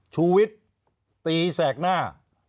ชุวิตตีแสกหน้า